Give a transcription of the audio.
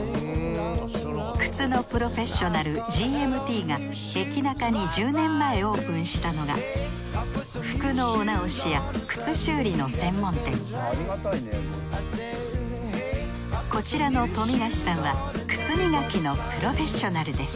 靴のプロフェッショナルＧＭＴが駅ナカに１０年前オープンしたのが服のお直しや靴修理の専門店こちらの冨樫さんは靴磨きのプロフェッショナルです